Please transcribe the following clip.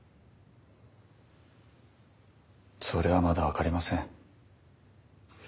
それはまだ分かりません。